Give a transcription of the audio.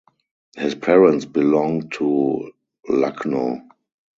His parents belonged to Lucknow.